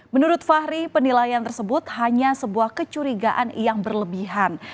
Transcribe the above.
menurut fahri penilaian tersebut hanya sebuah kecurigaan yang berlebihan